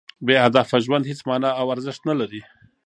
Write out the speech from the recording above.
بې هدفه ژوند هېڅ مانا او ارزښت نه لري.